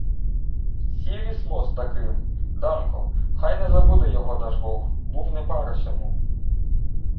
— Сірі смо з таким. Данко, хай не забуде його Дажбог, був не пара сьому.